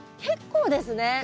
結構ですね。